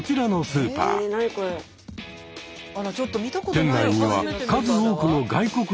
店内には数多くの外国の方々が。